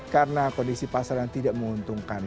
karena kondisi pasar yang tidak menguntungkan